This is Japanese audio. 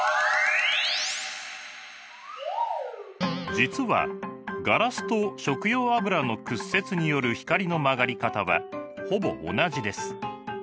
実はガラスと食用油の屈折による光の曲がり方はほぼ同じです。